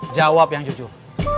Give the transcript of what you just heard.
jawab yang jujur